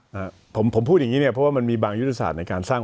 อ่าผมผมพูดอย่างงี้เนี้ยเพราะว่ามันมีบางยุทธศาสตร์ในการสร้าง